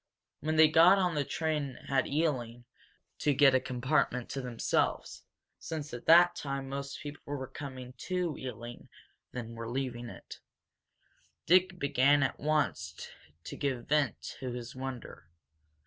When they got on the train at Ealing they were lucky enough to get a compartment to themselves, since at that time more people were coming to Ealing than were leaving it. Dick began at once to give vent to his wonder.